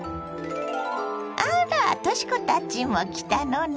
あらとし子たちも来たのね。